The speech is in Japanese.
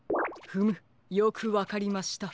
フムよくわかりました。